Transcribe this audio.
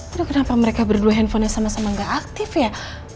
aduh kenapa mereka berdua handphonenya sama sama gak aktif ya